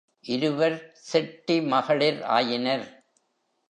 இருவர் செட்டி மகளிர் ஆயினர்.